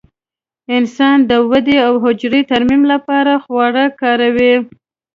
انسان د ودې او حجرو ترمیم لپاره خواړه کاروي.